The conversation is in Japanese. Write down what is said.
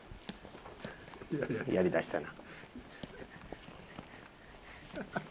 やりだしたな。